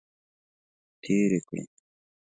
تیرې کړې.